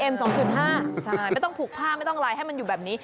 ไม่ต้องผูกผ้าไม่ต้องอะไรให้มันอยู่แบบนี้